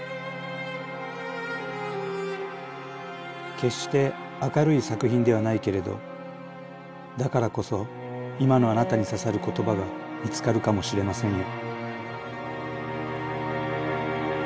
決して明るい作品ではないけれどだからこそ今のあなたに刺さる言葉が見つかるかもしれませんよ